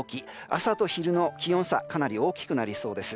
朝と昼の気温差がかなり大きくなりそうです。